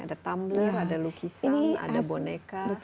ada tumbler ada lukisan ada boneka